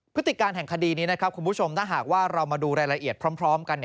พฤติการแห่งคดีนี้นะครับคุณผู้ชมถ้าหากว่าเรามาดูรายละเอียดพร้อมกัน